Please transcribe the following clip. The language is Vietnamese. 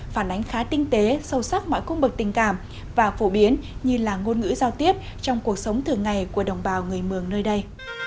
phản ánh khá tinh tế sâu sắc mọi cung bậc tình cảm và phổ biến như là ngôn ngữ giao tiếp trong cuộc sống thường ngày của đồng bào người mường nơi đây